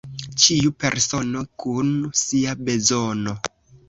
Ĉiu persono kun sia bezono.